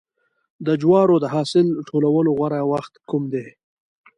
د جوارو د حاصل ټولولو غوره وخت کوم دی؟